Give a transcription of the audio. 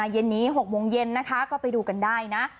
เย็นนี้๖โมงเย็นนะคะก็ไปดูกันได้นะ